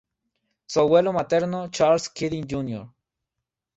Su abuelo materno Charles Keating Jr.